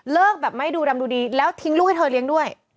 แบบไม่ดูรำดูดีแล้วทิ้งลูกให้เธอเลี้ยงด้วย